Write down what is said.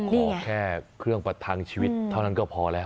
ขอแค่เครื่องประทังชีวิตเท่านั้นก็พอแล้ว